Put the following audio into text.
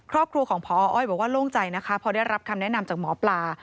ครอบครัวของพออ้อยบอกว่าโล่งใจนะคะพอได้รับคำแนะนำจากหมอปลา